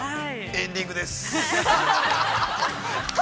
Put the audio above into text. ◆エンディングです。